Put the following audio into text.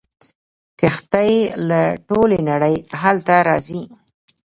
کښتۍ له ټولې نړۍ هلته راځي.